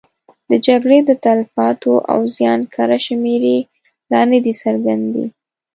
د جګړې د تلفاتو او زیان کره شمېرې لا نه دي څرګندې.